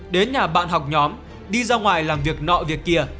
đến nhà bạn học nhóm đi ra ngoài làm việc nọ việc kia